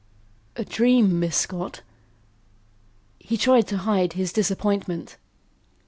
"A dream, Miss Scott?" He tried to hide his disappointment.